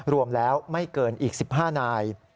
รวมแล้วไม่เกินอีก๑๕นาย